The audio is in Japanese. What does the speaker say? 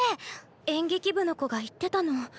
演劇部の子が言ってたの。